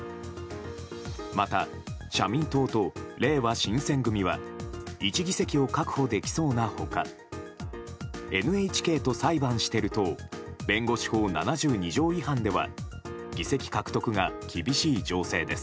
また、社民党とれいわ新選組は１議席を確保できそうな他ＮＨＫと裁判してる党弁護士法７２条違反では議席獲得が厳しい情勢です。